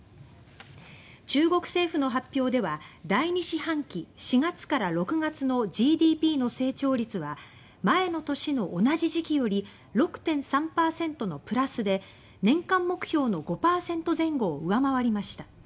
中国政府の発表では第２四半期、４月から６月のＧＤＰの成長率は前の年の同じ時期より６．３％のプラスで年間目標の５％前後を上回りました。